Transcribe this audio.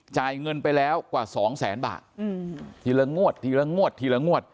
จ่ายเงินไปแล้วกว่าสองแสนบาททีละงวดทีละงวดทีละงวด